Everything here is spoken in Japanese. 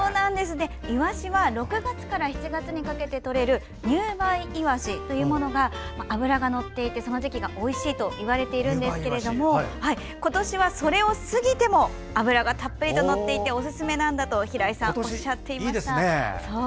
イワシは６月から７月にかけてとれる入梅イワシというものが脂がのっていてその時期がおいしいと言われているんですが今年は、それを過ぎても脂がたっぷりとのっていておすすめなのだと、平井さんがおっしゃっていました。